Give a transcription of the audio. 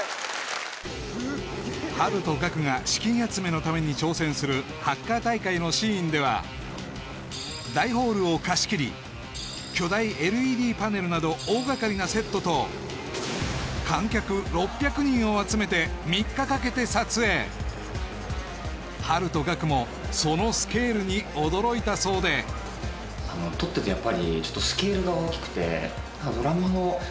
ハルとガクが資金集めのために挑戦するハッカー大会のシーンでは大ホールを貸し切り巨大ＬＥＤパネルなど大がかりなセットとを集めて３日かけて撮影ハルとガクもそのスケールに驚いたそうでぐらいそうなんですよねあっ